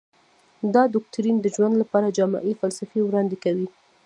دا دوکتورین د ژوند لپاره جامعه فلسفه وړاندې کوي.